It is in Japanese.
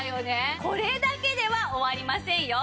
これだけでは終わりませんよ。